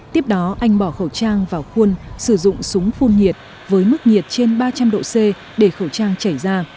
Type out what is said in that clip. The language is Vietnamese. tiếp đó anh bỏ khẩu trang vào khuôn sử dụng súng phun nhiệt với mức nhiệt trên ba trăm linh độ c để khẩu trang chảy ra